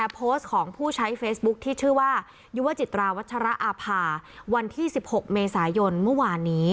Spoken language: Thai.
โพสต์ของผู้ใช้เฟซบุ๊คที่ชื่อว่ายุวจิตราวัชระอาภาวันที่๑๖เมษายนเมื่อวานนี้